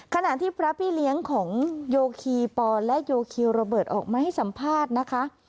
ขณะที่พระพี่เลี้ยงของโยคีปอนและโยคิวระเบิดออกมาให้สัมภาษณ์นะคะ